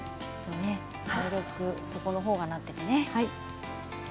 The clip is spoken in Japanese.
茶色く底のほうがなっていてね。